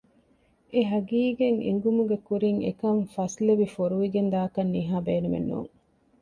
އެ ހަޤީޤަތް އެނގުމުގެ ކުރިން އެކަން ފަސްލެވި ފޮރުވިގެން ދާކަށް ނިހާ ބޭނުމެއް ނޫން